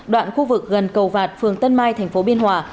đoạn khu vực gần cầu vạt phường tân mai thành phố biên hòa